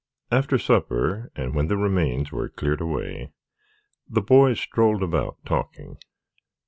After supper, and when the remains were cleared away, the boys strolled about, talking.